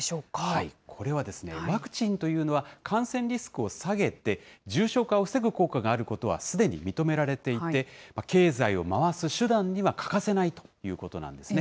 これは、ワクチンというのは感染リスクを下げて、重症化を防ぐ効果があることは、すでに認められていて、経済を回す手段には欠かせないということなんですね。